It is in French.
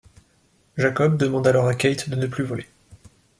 Jacob demande alors à Kate de ne plus voler.